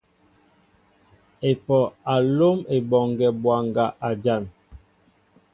Epoh a lóm Eboŋgue bwaŋga a jan.